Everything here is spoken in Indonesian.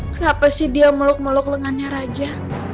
kenapa sih dia meluk meluk lengannya raja